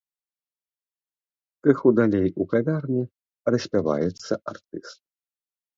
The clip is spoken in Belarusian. Крыху далей у кавярні распяваецца артыст.